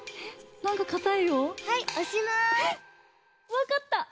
わかった！